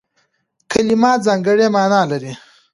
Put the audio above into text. کلیمه ځانګړې مانا لري.